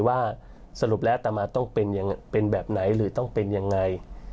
ว่าสรุปและตามมาจะเป็นแบบไหนหรือเป็นยังไง